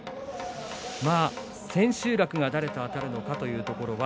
千秋楽は誰とあたるのかというところは。